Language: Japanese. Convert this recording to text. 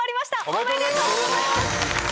おめでとうございます！